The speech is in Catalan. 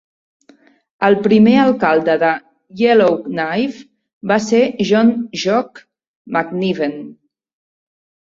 El primer alcalde de Yellowknife va ser John "Jock" McNiven.